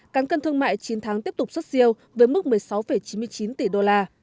cán cân thương mại chín tháng tiếp tục xuất siêu với mức một mươi sáu chín mươi chín tỷ đô la